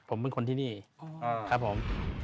ผมเป็นคนที่นี่ครับผม